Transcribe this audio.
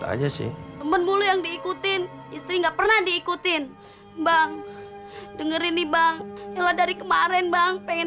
aja sih mulu yang diikutin istrinya pernah diikuti bang dengerin nih bang ella dari kemarin bang pengen